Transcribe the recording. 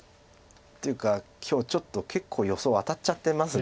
っていうか今日ちょっと結構予想当たっちゃってます